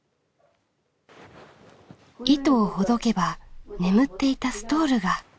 糸をほどけば眠っていたストールが。